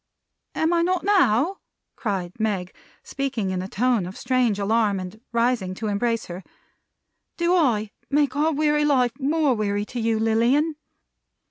"Am I not now?" cried Meg, speaking in a tone of strange alarm, and rising to embrace her. "Do I make our weary life more weary to you, Lilian?"